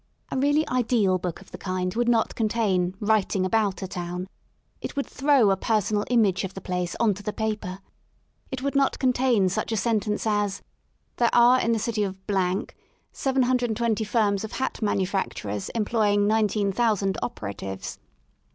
A really ideal book of the kind would not contain writing about" a town: it would throw a personal image of the place on to the paper. It would not con tain such a sentence as: There are in the city of 720 firms of hat manufacturers employing 19,000 operatives."